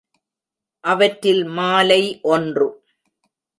அவற்றில் மாலை ஒன்று.